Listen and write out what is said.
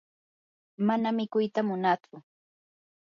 mana mikuyta munatsu.